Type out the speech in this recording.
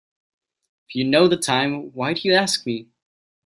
If you know the time why do you ask me?